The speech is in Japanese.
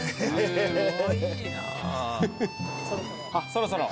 そろそろ。